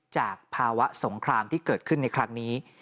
จากภาวะสงครามที่เกิดขึ้นในครั้งนี้